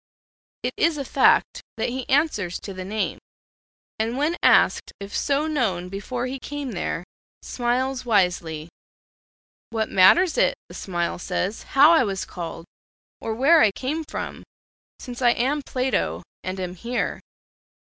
It is a fact that he answers to the name, and when asked if so known before he came there, smiles wisely. "What matters it," the smile says, "how I was called, or where I came from, since I am Plato, and am here?"